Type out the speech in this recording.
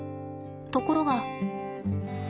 ところが。